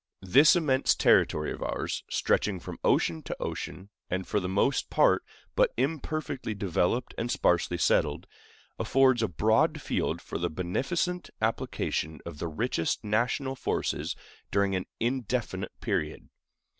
This immense territory of ours, stretching from ocean to ocean, and for the most part but imperfectly developed and sparsely settled, affords a broad field for the beneficent application of the richest national forces during an indefinite period.